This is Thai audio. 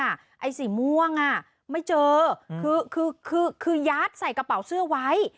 ไอ้สีม่วงอ่ะไม่เจอคือคือยัดใส่กระเป๋าเสื้อไว้